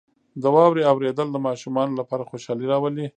• د واورې اورېدل د ماشومانو لپاره خوشحالي راولي.